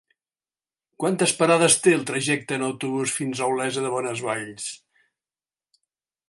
Quantes parades té el trajecte en autobús fins a Olesa de Bonesvalls?